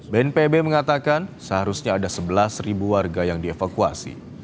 bnpb mengatakan seharusnya ada sebelas warga yang dievakuasi